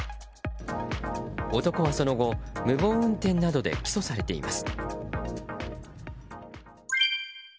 男はその後、無謀運転などで起訴されています。